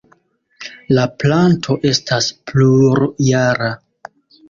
La planto estas plurjara.